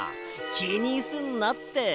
きにすんなって。